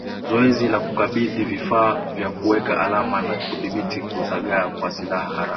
zoezi la kukabidhi vifaa vya kuweka alama na kudhibiti kuzagaa kwa silaha haramu